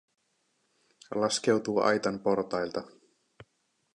Laskeutuu aitan portailta.